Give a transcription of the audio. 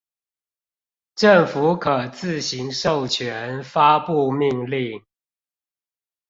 政府可自行授權發布命令